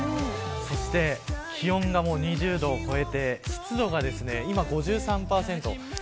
そして気温がもう２０度を超えて湿度が今５３％。